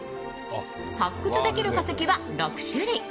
発掘できる化石は６種類。